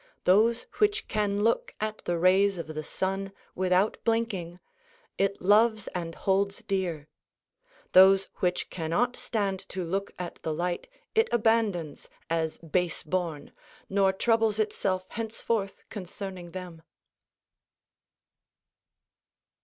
Those which can look at the rays of the sun, without blinking, it loves and holds dear; those which cannot stand to look at the light, it abandons, as base born, nor troubles itself henceforth concerning them.